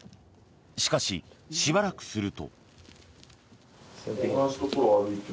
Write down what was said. しかし、しばらくすると。